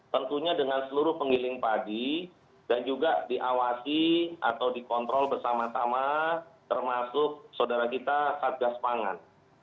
tentunya dengan seluruh penggiling pagi dan juga diawasi atau dikontrol bersama sama termasuk saudara kita satgas pangan